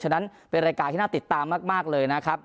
ฉะนั้นเป็นรายการที่น่าติดตามมากเลยนะครับ